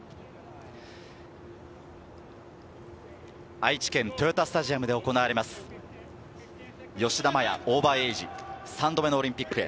愛知県、豊田スタジアムで行われます、吉田麻也、オーバーエイジ、３度目のオリンピックへ。